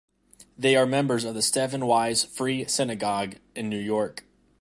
They are members of the Stephen Wise Free Synagogue in New York.